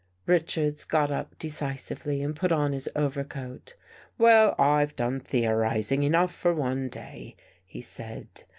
Richards got up decisively and put on his over coat. " Well, I've done theorizing enough for one day," he said.